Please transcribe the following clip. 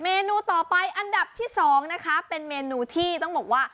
เมนูต่อไปอันดับที่๒นะคะเป็นเมนูที่ต้องบอกว่า